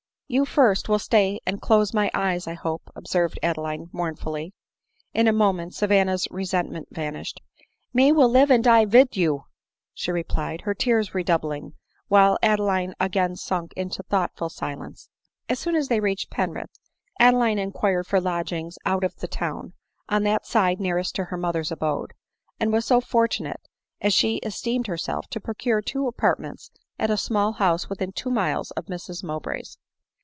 " You first will stay and close my eyes, I hope !" observed Adeline mournfully. In a moment Savanna's resentment vanished. " Me will live and die vid you," she replied, her tears redoub ling, while Adeline again sunk' into thoughtful silence. As soon as they reached Penrith, Adeline inquired for lodgings out of the town, on that side nearest to her mother's abode; and was so fortunate, as she esteemed herself, to procure two apartments at a small house within two miles of Mrs Mowbray's.